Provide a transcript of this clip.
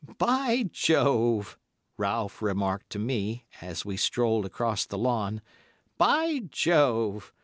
'By Jove,' Ralph remarked to me, as we strolled across the lawn, 'By Jove!